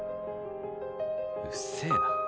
うっせえな。